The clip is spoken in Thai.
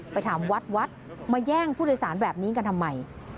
ไปถามวัดวัดมาแย่งผู้โดยสารแบบนี้กันทำไม